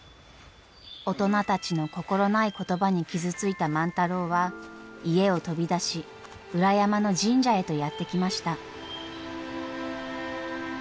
大人たちの心ない言葉に傷ついた万太郎は家を飛び出し裏山の神社へとやって来ました。